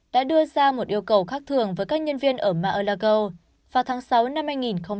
đã đưa ra một yêu cầu khác thường với các nhân viên ở mar a lago vào tháng sáu năm hai nghìn một mươi hai